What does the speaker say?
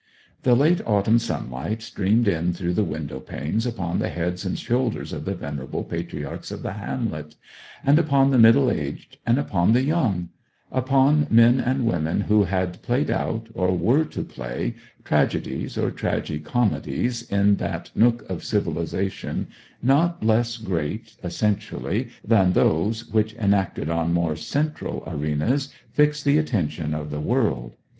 The late autumn sunlight streamed in through the window panes upon the heads and shoulders of the venerable patriarchs of the hamlet, and upon the middle aged, and upon the young; upon men and women who had played out, or were to play, tragedies or tragi comedies in that nook of civilization not less great, essentially, than those which, enacted on more central arenas, fix the attention of the world.